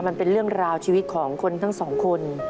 มันเป็นเรื่องราวชีวิตของคนทั้งสองคน